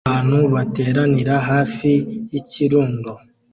Abantu bateranira hafi yikirundo